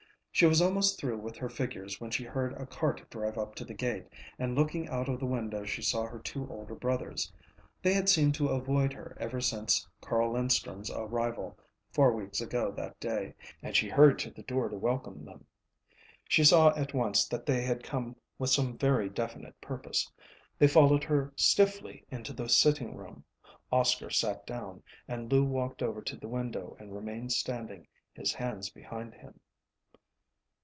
She was almost through with her figures when she heard a cart drive up to the gate, and looking out of the window she saw her two older brothers. They had seemed to avoid her ever since Carl Linstrum's arrival, four weeks ago that day, and she hurried to the door to welcome them. She saw at once that they had come with some very definite purpose. They followed her stiffly into the sitting room. Oscar sat down, but Lou walked over to the window and remained standing, his hands behind him.